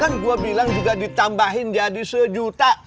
kan gue bilang juga ditambahin jadi sejuta